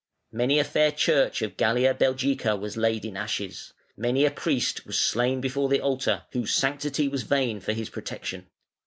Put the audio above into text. Many a fair church of Gallia Belgica was laid in ashes: many a priest was slain before the altar, whose sanctity was vain for his protection.